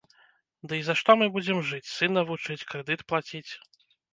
Дый за што мы будзем жыць, сына вучыць, крэдыт плаціць?